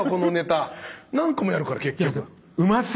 何個もやるから結局。